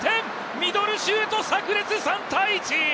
ミドルシュートさく裂３−１。